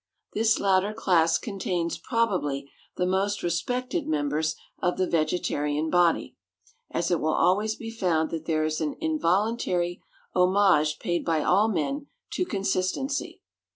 This latter class contains, probably, the most respected members of the vegetarian body, as it will always be found that there is an involuntary homage paid by all men to consistency.